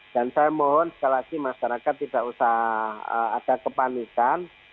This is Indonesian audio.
dan saya mohon sekali lagi masyarakat tidak usah ada kepanikan